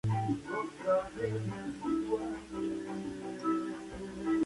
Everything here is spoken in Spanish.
Tienen dos hijas: Arlen y Maya.